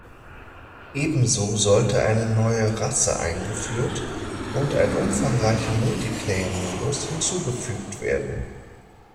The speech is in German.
Ebenso sollte eine neue "Rasse" eingeführt und ein umfangreicher Multiplayer-Modus hinzugefügt werden.